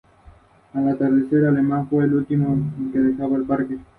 Es una iglesia funcional, que juega con la luz natural.